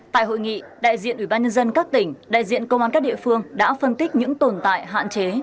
tại hội nghị đại diện ủy ban nhân dân các tỉnh đại diện công an các địa phương đã phân tích những tồn tại hạn chế